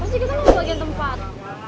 pasti kita mau kebagian tempat